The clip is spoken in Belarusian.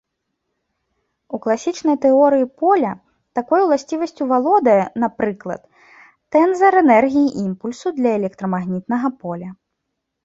У класічнай тэорыі поля такой уласцівасцю валодае, напрыклад, тэнзар энергіі-імпульсу для электрамагнітнага поля.